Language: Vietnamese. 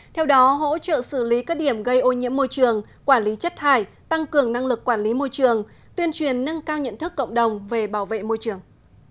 theo đó hỗ trợ xử lý các điểm gây ô nhiễm môi trường quản lý chất thải tăng cường năng lực quản lý môi trường tuyên truyền nâng cao nhận thức cộng đồng về bảo vệ môi trường